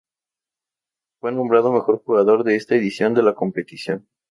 Fue nombrado mejor jugador de esta edición de la competición.